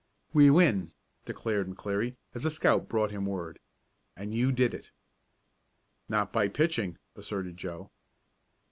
"We win," declared McLeary, as a scout brought him word. "And you did it." "Not by pitching," asserted Joe.